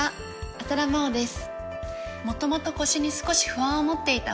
浅田真央です。